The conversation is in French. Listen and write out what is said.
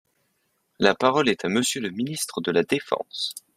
La parole est à Monsieur le ministre de la défense.